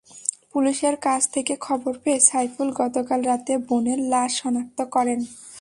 পুলিশের কাছ থেকে খবর পেয়ে সাইফুল গতকাল রাতে বোনের লাশ শনাক্ত করেন।